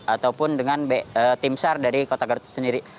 ataupun dengan tim sar dari kota garut sendiri